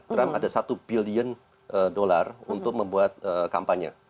trump ada satu billion dollar untuk membuat kampanye